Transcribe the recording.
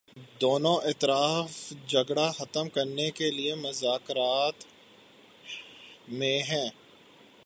دونوں اطراف جھگڑا ختم کرنے کے لیے مذاکرات میں ہیں